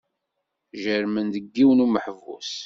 Jerrmen deg yiwen umeḥbus.